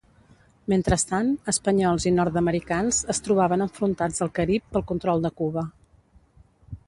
Mentrestant, espanyols i nord-americans es trobaven enfrontats al Carib pel control de Cuba.